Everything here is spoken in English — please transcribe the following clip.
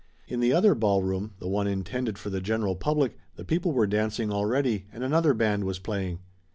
In the other ballroom, the one intended for the general public, the people were dancing already, and another band was playing.